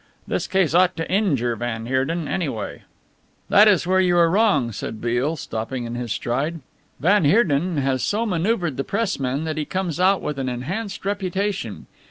"This case ought to injure van Heerden, anyway." "That is where you are wrong," said Beale, stopping in his stride, "van Heerden has so manoeuvred the Pressmen that he comes out with an enhanced reputation.